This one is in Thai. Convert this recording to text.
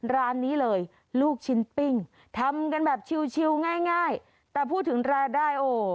ร้านนี้เลยลูกชิ้นปิ้งทำกันแบบชิวง่ายแต่พูดถึงรายได้โอ้